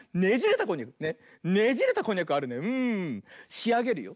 しあげるよ。